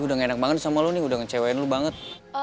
gue udah gak enak banget sama lo nih udah ngecewain lo banget